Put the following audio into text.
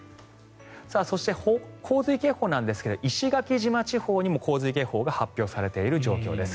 そして、洪水警報なんですが石垣島地方にも洪水警報が発表されている状況です。